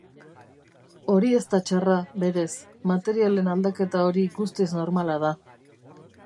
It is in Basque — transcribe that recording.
Hori ez da txarra, berez, materialen aldaketa hori guztiz normala da.